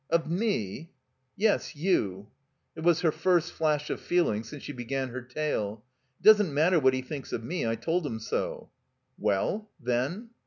"Of mer "Yes — you. It was her first flash of feeling since she began her tale. "It doesn't matter what he thinks of me. I told him so." "Well? Then?"